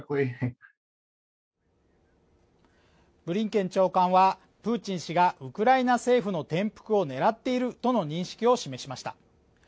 ブリンケン長官はプーチン氏がウクライナ政府の転覆を狙っているとの認識を示しました